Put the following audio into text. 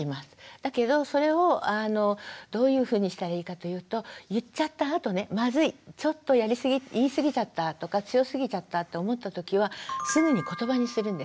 だけどそれをどういうふうにしたらいいかというと言っちゃったあとねまずいちょっと言いすぎちゃったとか強すぎちゃったと思ったときはすぐにことばにするんです。